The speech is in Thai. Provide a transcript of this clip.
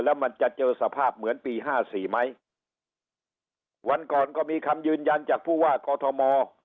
แล้วมันจะเจอสภาพเหมือนปีห้าสี่ไหมวันก่อนก็มีคำยืนยันจากผู้ว่ากอทม